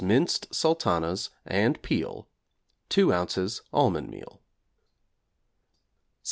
minced sultanas and peel 2 ozs. almond meal. =78.